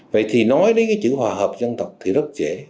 vậy thì nói đến cái chữ hòa hợp dân tộc thì rất dễ